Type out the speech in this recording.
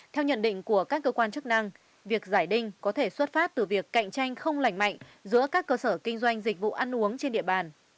theo nhận định của các cơ quan chức năng việc giải đinh có thể xuất phát từ việc cạnh tranh không lành mạnh giữa các cơ sở kinh doanh dịch vụ ăn uống trên địa bàn